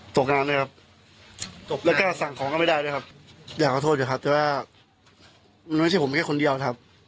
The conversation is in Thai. ตกงานด้วยครับตกแล้วก็สั่งของก็ไม่ได้ด้วยครับอยากขอโทษอยู่ครับแต่ว่ามันไม่ใช่ผมแค่คนเดียวนะครับ